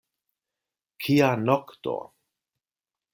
Kia nokto!